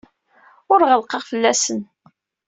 Ur ɣellqeɣ fell-asen.